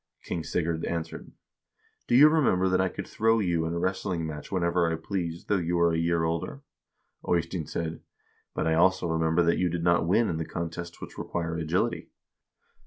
King Sigurd answered :' Do you remember that I could throw you in a wrestling match whenever I pleased, though you are a year older ?' Eystein said :' But I also remember that you did not win in the contests which require agility.'